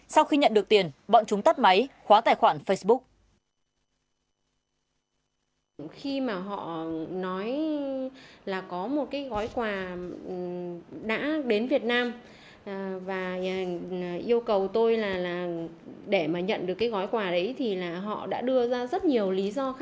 sau khi nhận được tiền bọn chúng tắt máy khóa tài khoản facebook